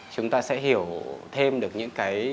chúng ta sẽ hiểu thêm được những cái